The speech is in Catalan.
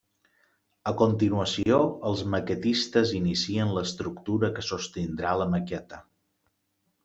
A continuació els maquetistes inicien l'estructura que sostindrà la maqueta.